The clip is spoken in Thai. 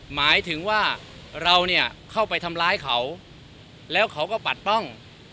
หมายถึงว่าเราเนี่ยเข้าไปทำร้ายเขาแล้วเขาก็ปัดป้อง